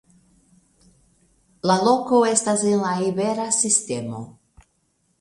La loko estas en la Iberia Sistemo.